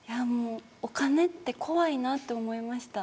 お金って怖いなと思いました。